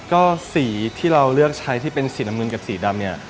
ก็สีที่เราเลือกใช้ที่เป็นสีน้ำเงินกับสีดำเนี่ย